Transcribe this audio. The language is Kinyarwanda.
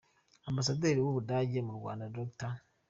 Ambasaderi w’u Budage mu Rwanda, Dr.